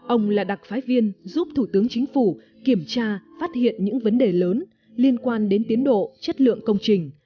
ông là đặc phái viên giúp thủ tướng chính phủ kiểm tra phát hiện những vấn đề lớn liên quan đến tiến độ chất lượng công trình